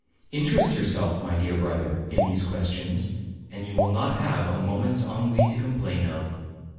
Interest yourself, my dear brother, in these questions, and you will not have a moment's ennui to complain of.'